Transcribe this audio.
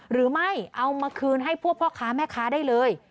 หรือไม่เอามาคืนให้พวกพ่อค้าแม่ค้าได้เลย